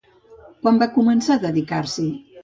Quan va començar a dedicar-s'hi?